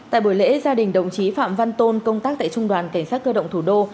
tại buổi lễ gia đình đồng chí phạm văn tôn công tác tại trung đoàn cảnh sát cơ động thủ đô